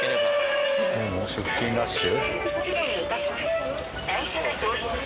もう出勤ラッシュ？